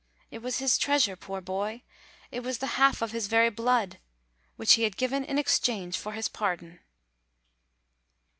It was his treasure, poor boy! it was the half of his very blood, which he had given in exchange for his pardon.